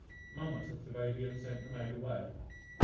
Mamma took the baby, and sent the maid away.